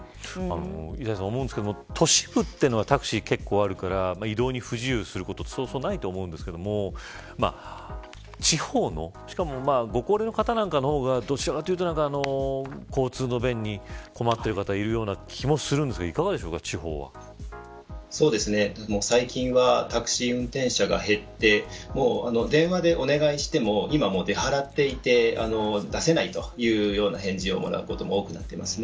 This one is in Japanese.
板谷さん、思うんですけど都市部はタクシーが結構あるから移動に不自由することはそうそうないと思うんですが地方の、しかもご高齢の方のほうが交通の便に困っている方がいるような気もするんですが最近はタクシー運転者が減って電話でお願いしても今は出払っていて出せないというような返事をもらうことも多くなっています。